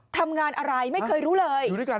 ทำงานอะไรไม่เคยรู้เลย